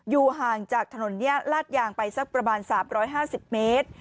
อยู่ห่างจากถนนลาดยางไปสักประมาณ๓๕๐เมตร